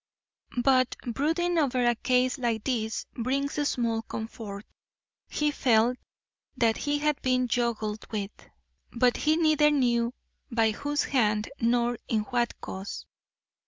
But brooding over a case like this brings small comfort. He felt that he had been juggled with, but he neither knew by whose hand nor in what cause.